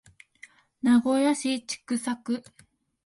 名古屋市千種区